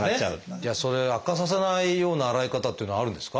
じゃあそれ悪化させないような洗い方っていうのはあるんですか？